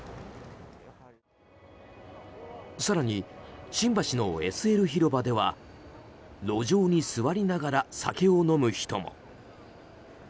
更に、新橋のＳＬ広場では路上に座りながら酒を飲む人も。